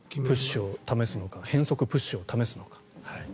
プッシュを試すのか変則プッシュを試すのか。